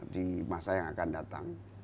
di masa yang akan datang